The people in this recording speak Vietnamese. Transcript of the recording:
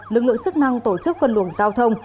lực lượng chức năng tổ chức phân luồng giao thông